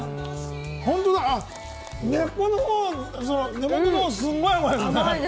根元のほう、すごく甘いですね。